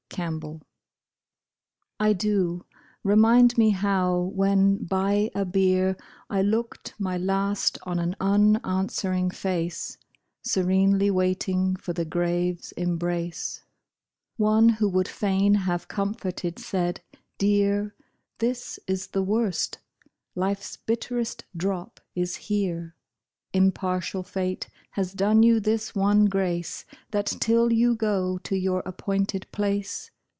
REMEMBRANCE I DO remind me how, when, by a bier, I looked my last on an unanswering face Serenely waiting for the grave's embrace, One who would fain have comforted said :" Dear, This is the worst. Life's bitterest drop is here. Impartial fate has done you this one grace, That till you go to your appointed place.